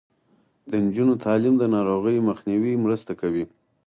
د نجونو تعلیم د ناروغیو مخنیوي مرسته کوي.